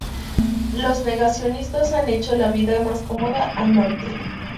Los negacionistas han hecho la vida más cómoda a Nolte.